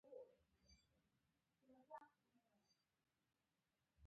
پیاز د پخوانیو درملو برخه وه